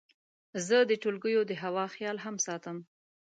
زه د ټولګیو د هوا خیال هم ساتم.